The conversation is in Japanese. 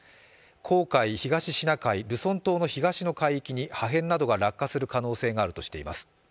黄海、東シナ海、ルソン島の東の海域に破片などが落下する可能性があるとしています